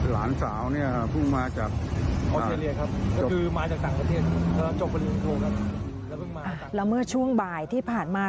แล้วเมื่อช่วงบ่ายที่ผ่านมา